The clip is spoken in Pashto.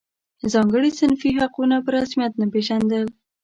ځانګړي صنفي حقونه په رسمیت نه پېژندل.